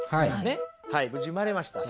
はい無事産まれました。